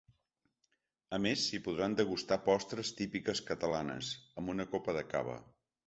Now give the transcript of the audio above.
A més, s’hi podran degustar postres típiques catalanes, amb una copa de cava.